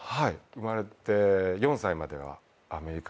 生まれて４歳まではアメリカにいました。